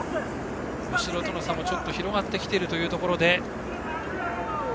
後ろとの差もちょっと広がってきているというところで。